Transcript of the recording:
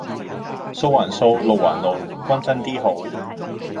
數還數；路還路，均真 D 好